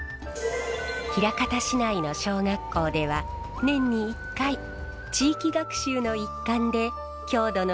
枚方市内の小学校では年に１回地域学習の一環で郷土の味